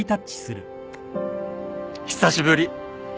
久しぶり。